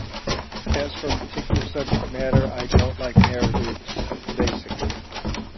As for particular subject matter, I don't like narratives, basically.